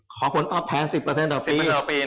ขอผลตอบแทน๑๐ต่อปี